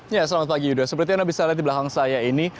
ya selamat pagi yuda seperti yang anda bisa lihat di belakang saya ini